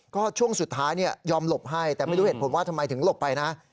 ก็ช่วงสุดท้ายยอมหลบให้แต่ไม่รู้เหตุผลว่าทำไมถึงหลบไปนะ